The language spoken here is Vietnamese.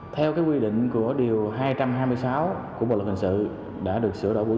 theo quy định của điều hai trăm hai mươi sáu của bộ luật hình sự đã được sửa đổi bổ sung